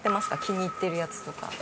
気に入ってるやつとか。